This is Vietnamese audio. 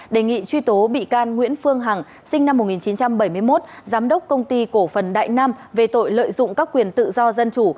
đề nghị truy tố bị can nguyễn phương hằng sinh năm một nghìn chín trăm bảy mươi một giám đốc công ty cổ phần đại nam về tội lợi dụng các quyền tự do dân chủ